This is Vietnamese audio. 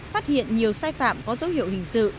phát hiện nhiều sai phạm có dấu hiệu hình sự